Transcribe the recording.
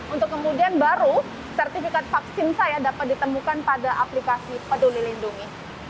untuk kemudian baru sertifikat vaksin saya dapat ditemukan pada aplikasi peduli lindungi